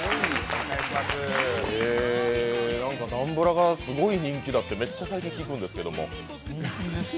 ダンブラがすごい人気だってめっちゃ最近聞くんですけど。